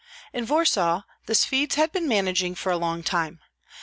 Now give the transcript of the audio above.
In Warsaw the Swedes had been managing for a long time.